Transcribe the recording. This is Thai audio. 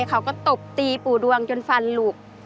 เขาก็ตบตีปู่ดวงจนฟันลูก